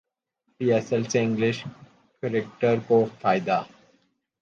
پی S L سے English cricket کو فائدہ